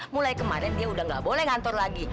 mulai kemarin dia udah gak boleh ngantor lagi